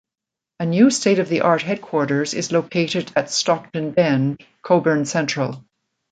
A new state of the art headquarters is located at Stockton Bend, Cockburn Central.